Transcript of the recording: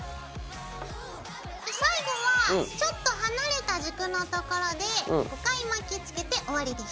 最後はちょっと離れた軸のところで５回巻きつけて終わりです。